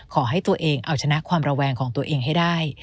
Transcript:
ขอให้ตัวเองเอาชนะความระแวงของตัวเองให้ได้